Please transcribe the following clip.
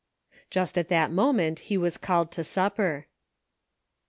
Just at that moment was he called to supper.